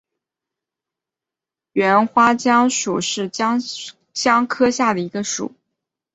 喙花姜属是姜科下的一个属。